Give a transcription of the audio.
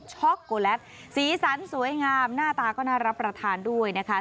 ช็อกโกแลตสีสันสวยงามหน้าตาก็น่ารับประทานด้วยนะคะ